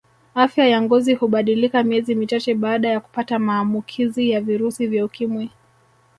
Afya ya ngozi hubadilika miezi michache baada ya kupata maamukizi ya virusi vya ukimwi